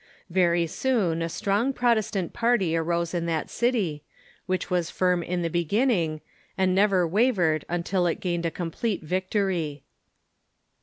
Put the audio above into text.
Very soon a strong Protestant party arose in that city, which was firm in the beginning, and never Avavered until it gained a complete victory.